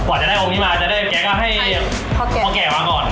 กว่าจะได้องค์นี้มาจะได้แกก็ให้พ่อตัวแก่มาก่อน